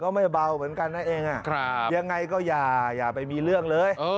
ไม่เบาเหมือนกันนั่นเองยังไงก็อย่าไปมีเรื่องเลย